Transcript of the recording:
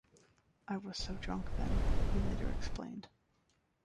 "I was so drunk then," he later explained.